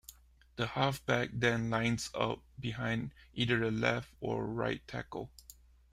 The halfback then lines up behind either the left or right tackle.